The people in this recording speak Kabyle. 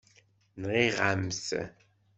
Nɣiɣ-am-t.